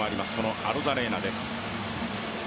このアロザレーナです。